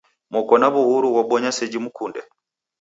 Moko na w'uhuru ghobonya seji mukunde